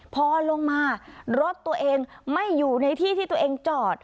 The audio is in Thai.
พอลงมารถตัวเองไม่อยู่ในที่ที่ตัวเองจอด